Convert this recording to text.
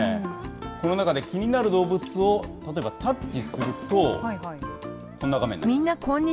この中で気になる動物を例えばタッチすると、こんな画面に。